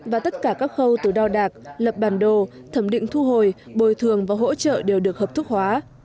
và tất cả các khâu từ đo đạc lập bản đồ thẩm định thu hồi bồi thường và hỗ trợ đều được hợp thức hóa